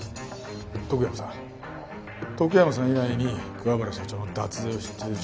徳山さん徳山さん以外に桑原社長の脱税を知っている社員は？